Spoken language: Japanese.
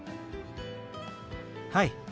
はい。